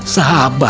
sampurasun ger prabu